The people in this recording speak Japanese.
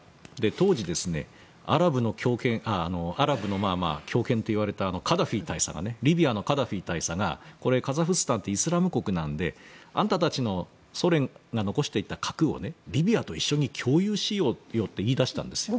当時、アラブの狂犬といわれたリビアのカダフィ大佐がカザフスタンってイスラム国なのであなたたちのソ連が残していった核をリビアと一緒に共有しようよって言い出したんですよ。